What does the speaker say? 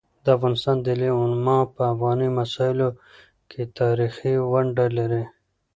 د افغانستان دیني علماء په افغاني مسايلو کيتاریخي ونډه لري.